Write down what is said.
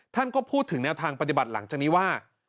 ท่านก็พูดถึงแนวทางปฏิบัติหลังจากนี้ว่า